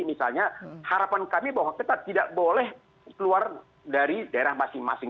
misalnya harapan kami bahwa kita tidak boleh keluar dari daerah masing masing